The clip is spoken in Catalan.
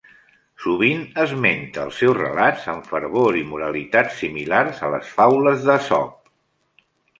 Sovint esmenta els seus relats amb fervor i moralitats similars a les faules d'Esop.